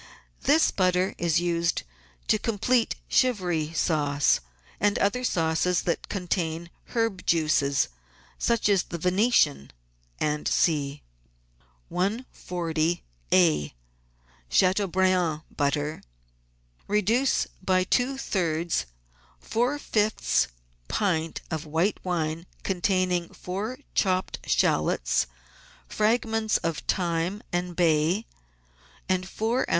This butter is used to complete Chivry sauce and other sauces that contain herb juices, such as the Venetian, &c. 140a— CHATEAUBRIAND BUTTER Reduce by two thirds four fifths pint of white wine contain ing four chopped shallots, fragments of thyme and bay, and four oz.